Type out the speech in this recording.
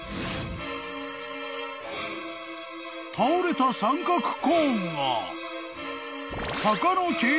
［倒れた三角コーンが］